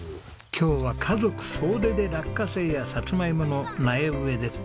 今日は家族総出で落花生やサツマイモの苗植えです。